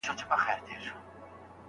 باور باید ضعیف نه سي.